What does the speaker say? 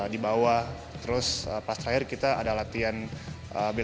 dibawa terus pas terakhir kita ada latihan bila diri perbensang defense itu cukup menarik sekali sih